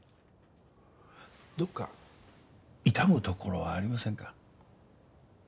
どこか痛むところはありませんか？